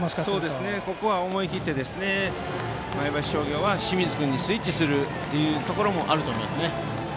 ここは思い切って前橋商業は清水君にスイッチすることもあると思います。